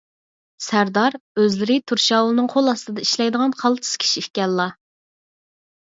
سەردار، ئۆزلىرى تۇرشاۋۇلنىڭ قول ئاستىدا ئىشلەيدىغان قالتىس كىشى ئىكەنلا.